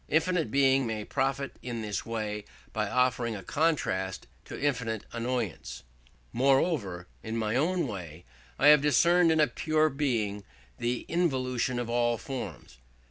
Infinite Being may profit in this way by offering a contrast to infinite annoyance. Moreover, in my own way, I have discerned in pure Being the involution of all forms.